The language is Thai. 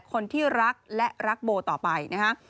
คนที่รักและรักโบต่อไปนะฮะ